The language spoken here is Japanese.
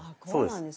そうです。